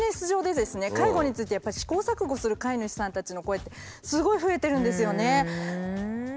介護についてやっぱり試行錯誤する飼い主さんたちの声ってすごい増えてるんですよね。